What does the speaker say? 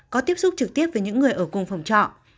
có tiếp xúc trực tiếp với những người ở cùng phòng trọ